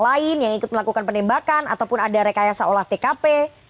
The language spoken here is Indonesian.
lain yang ikut melakukan penembakan ataupun ada rekayasa olah tkp